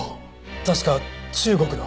確か中国の。